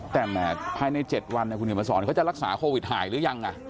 แต่แหมภายใน๗วันคุณเขียนมาสอนเขาจะรักษาโควิดหายหรือยัง